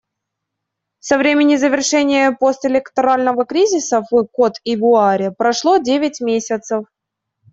Со времени завершения постэлекторального кризиса в Котд'Ивуаре прошло девять месяцев.